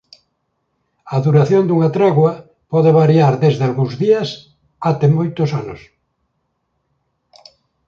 A duración dunha tregua pode variar desde algúns días até moitos anos.